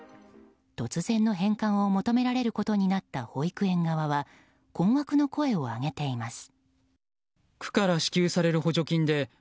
突然の返還を求められることになった保育園側は困惑の声を上げています。